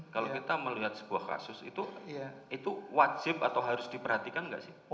kalau kita melihat sebuah kasus itu itu wajib atau harus diperhatikan nggak sih